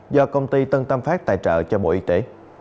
do công ty tân tâm phát tài trợ cho bộ y tế